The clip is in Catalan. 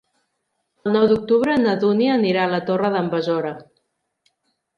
El nou d'octubre na Dúnia anirà a la Torre d'en Besora.